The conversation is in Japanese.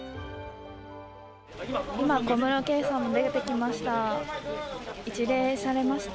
今、小室圭さんが出てきました。